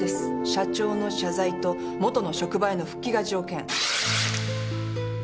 社長の謝罪と元の職場への復帰が条件。